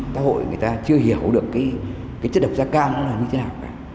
xã hội người ta chưa hiểu được cái chất độc gia cao nó là như thế nào cả